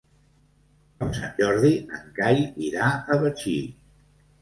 Per Sant Jordi en Cai irà a Betxí.